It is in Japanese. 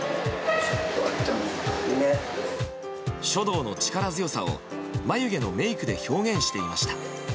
書道の力強さを眉毛のメイクで表現していました。